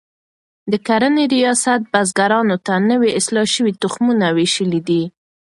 د کرنې ریاست بزګرانو ته نوي اصلاح شوي تخمونه ویشلي دي.